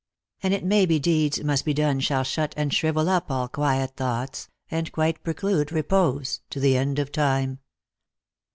And it may be Deeds must be done shall shut and shrivel up All quiet thoughts, and quite preclude repose To the end of time.